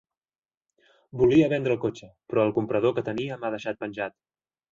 Volia vendre el cotxe, però el comprador que tenia m'ha deixat penjat.